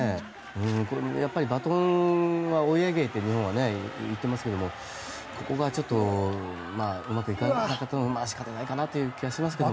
これもやっぱりバトンはお家芸と日本は言っていますがここがうまくいかなかったのは仕方ないかなという気がしますけど。